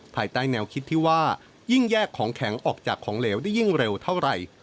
ภายใต้แนวคิดที่ว่ายิ่งแยกของแข็งออกจากของเหลวได้ยิ่งเร็วเท่าไหร่